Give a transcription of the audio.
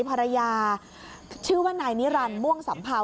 พรรยาชื่อว่านายนิรันดิ์ม่วงสำพาว